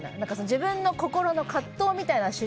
自分の心の葛藤みたいな。